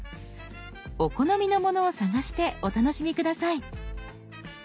お好みのものを探してお楽しみ下さい。